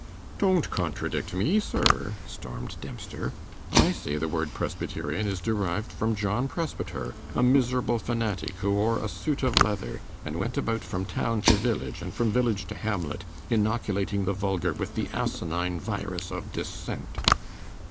'Don't contradict me, sir!' stormed Dempster. 'I say the word presbyterian is derived from John Presbyter, a miserable fanatic who wore a suit of leather, and went about from town to village, and from village to hamlet, inoculating the vulgar with the asinine virus of dissent.